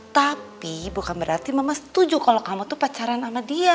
tapi bukan berarti mama setuju kalau kamu tuh pacaran sama dia